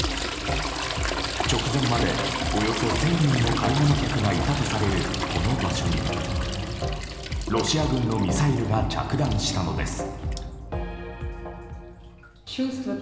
直前までおよそ１０００人の買い物客がいたとされる、この場所にロシア軍のミサイルが着弾したのです。